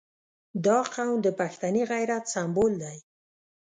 • دا قوم د پښتني غیرت سمبول دی.